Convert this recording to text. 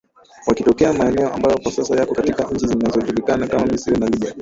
wakitokea maeneo ambayo kwa sasa yako katika nchi zinazojulikana kama Misri na Libya